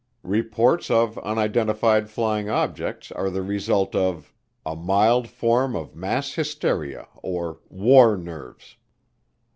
Reports of unidentified flying objects are the result of: A mild form of mass hysteria or "war nerves."